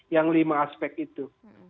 yang lima aspek itu